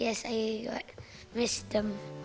ya saya menggunakan mereka